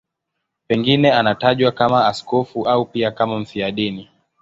Pengine anatajwa kama askofu au pia kama mfiadini.